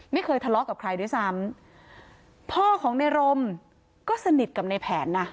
ไม่เคยทะเลาะกับใครด้วยซ้ำพ่อของในรมก็สนิทกับในแผนนะ